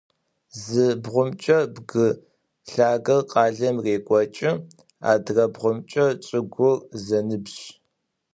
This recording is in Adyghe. Зы бгъумкӏэ бгы лъагэр къалэм рекӏокӏы, адрэбгъумкӏэ чӏыгур зэныбжь.